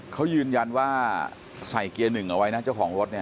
เขายืนยันว่าใส่เกียร์หนึ่งเอาไว้นะเจ้าของรถเนี่ย